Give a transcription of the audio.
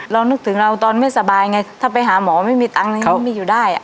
เรานึกถึงเราตอนไม่สบายไงถ้าไปหาหมอไม่มีตังค์ก็มีอยู่ได้